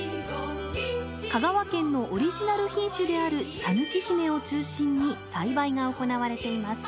香川県のオリジナル品種であるさぬきひめを中心に栽培が行われています。